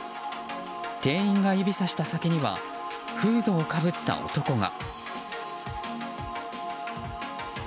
店員が指さした先にはフードをかぶった男が。